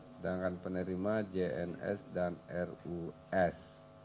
sedangkan penerima jns dan rus